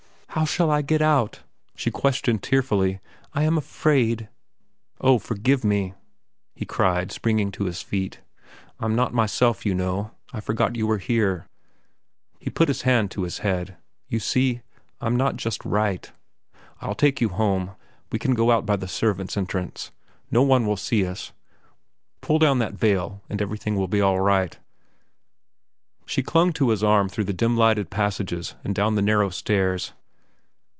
"How shall I get out?" she questioned tearfully. "I am afraid." "Oh, forgive me," he cried, springing to his feet. "I'm not myself, you know. I forgot you were here." He put his hand to his head. "You see, I'm not just right. I'll take you home. We can go out by the servants' entrance. No one will see us. Pull down that veil and everything will be all right." She clung to his arm through the dim lighted passages and down the narrow stairs.